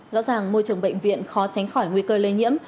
rõ ràng môi trường bệnh viện khó tránh khỏi nguy cơ lây nhiễm